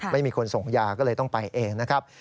ไม่มีคนส่งยาก็เลยต้องไปเองนะครับ